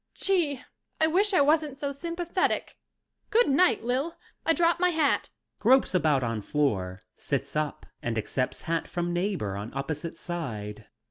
Gee, I wish I wasn't so sympathetic. Good night, Lil, I dropped my hat. (Gropes about on floor, sits up and accepts hat from neighbor on oppo site side.